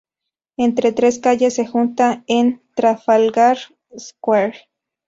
Estas tres calles se juntan en Trafalgar Square.